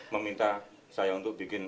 meminta saya untuk bikin